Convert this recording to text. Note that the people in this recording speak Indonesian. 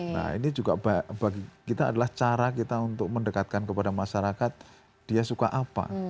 nah ini juga bagi kita adalah cara kita untuk mendekatkan kepada masyarakat dia suka apa